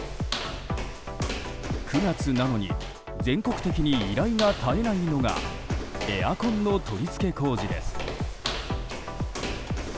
９月なのに全国的に依頼が絶えないのがエアコンの取り付け工事です。